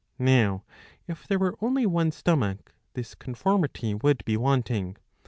Now, if there were only one stomach, this conformity would be wanting.